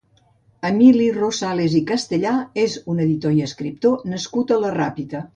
Emili Rosales i Castellà és un editor i escriptor nascut a la Ràpita.